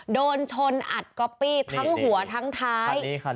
โดนชนอัดก๊อปปี้ทั้งหัวทั้งท้าย